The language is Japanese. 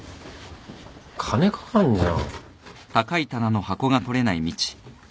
金かかんじゃん。